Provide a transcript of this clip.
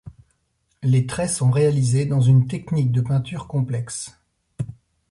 Les traits sont réalisés dans une technique de peinture complexe.